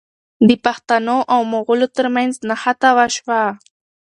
د پښتنو او مغلو ترمنځ نښته وشوه.